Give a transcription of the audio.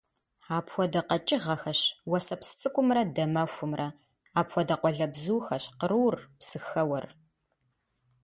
Апхуэдэ къэкӀыгъэхэщ уэсэпсцӀыкӀумрэ дамэхумрэ; апхуэдэ къуалэбзухэщ кърур, псыхэуэр.